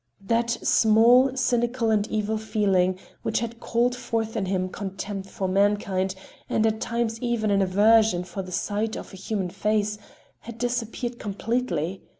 That small, cynical and evil feeling which had called forth in him a contempt for mankind and at times even an aversion for the sight of a human face, had disappeared completely.